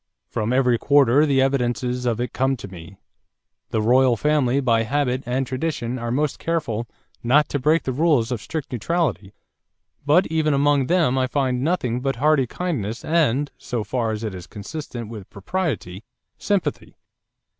From every quarter the evidences of it come to me. The royal family by habit and tradition are most careful not to break the rules of strict neutrality, but even among them I find nothing but hearty kindness and so far as is consistent with propriety sympathy.